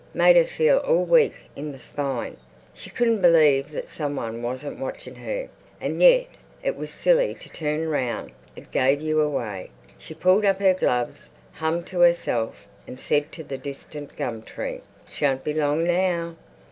Made her feel all weak in the spine. She couldn't believe that some one wasn't watching her. And yet it was silly to turn round; it gave you away. She pulled up her gloves, hummed to herself and said to the distant gum tree, "Shan't be long now."